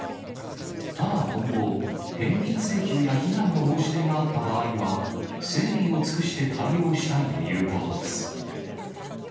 ただ今後、返金請求や被害の申し出があった場合は、誠意を尽くして対応したいということです。